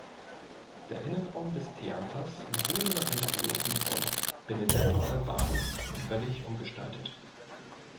Der Innenraum des Theaters wurde nach Entwürfen von Benedetto Albano völlig umgestaltet.